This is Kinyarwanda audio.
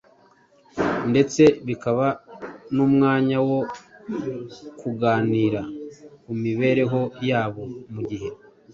ndetse bikaba n’umwanya wo kuganira ku mibereho yabo mu gihe